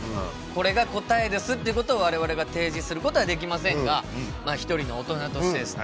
「これが答えです」っていうことを我々が提示することはできませんが一人の大人としてですね